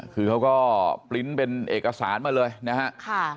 คือเขาก็ปริ้นต์เป็นเอกสารมาเลยนะฮะ